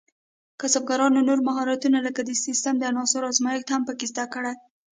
کسبګران نور مهارتونه لکه د سیسټم د عناصرو ازمېښت هم باید زده کړي.